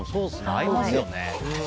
合いますよね。